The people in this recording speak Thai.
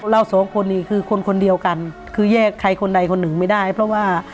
เราสองคนนี้คือคนคนเดียวกันคือแยกใครคนใดคนหนึ่งไม่ได้เพราะว่า